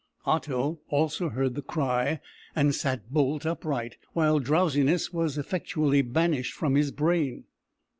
Otto also heard the cry, and sat bolt upright, while drowsiness was effectually banished from his brain.